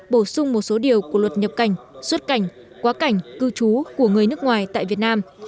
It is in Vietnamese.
bổ sung một số điều của luật nhập cảnh xuất cảnh quá cảnh cư trú của người nước ngoài tại việt nam